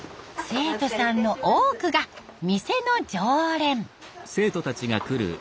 生徒さんの多くが店の常連。